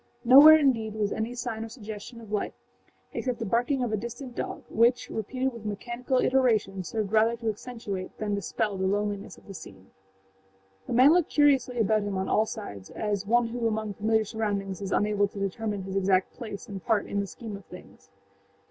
Nowhere, indeed, was any sign or suggestion of life except the barking of a distant dog, which, repeated with mechanical iteration, served rather to accentuate than dispel the loneliness of the scene. The man looked curiously about him on all sides, as one who among familiar surroundings is unable to determine his exact place and part in the scheme of things.